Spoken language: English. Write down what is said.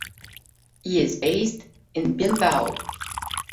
He is based in Bilbao.